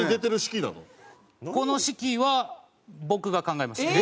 この式は僕が考えました。